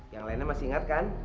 yang lainnya masih ingat kan